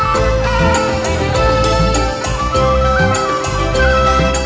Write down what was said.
โชว์สี่ภาคจากอัลคาซ่าครับ